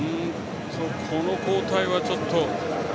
この交代はちょっと。